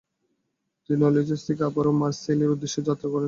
তিনি আলজিয়ার্স থেকে আবারও মারসেইলির উদ্দেশ্যে যাত্রা করেন।